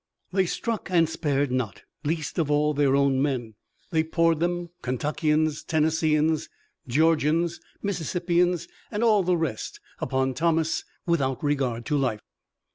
They struck and spared not, least of all their own men. They poured them, Kentuckians, Tennesseeans, Georgians, Mississippians and all the rest upon Thomas without regard to life.